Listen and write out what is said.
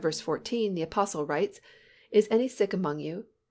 14, the Apostle writes, "Is any sick among you?